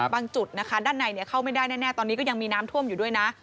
จุดนะคะด้านในเข้าไม่ได้แน่ตอนนี้ก็ยังมีน้ำท่วมอยู่ด้วยนะ